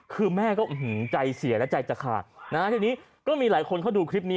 คือแม่ก็ใจเสียและใจจะขาดนะฮะทีนี้ก็มีหลายคนเขาดูคลิปนี้